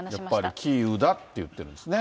やっぱりキーウだって言ってるんですね。